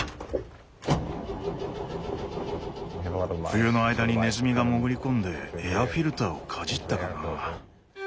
冬の間にねずみが潜り込んでエアフィルターをかじったかな？